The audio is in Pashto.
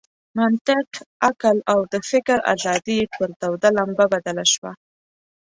منطق، عقل او د فکر آزادي پر توده لمبه بدله شوه.